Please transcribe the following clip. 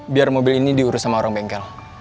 biar mobil ini diurus sama orang bengkel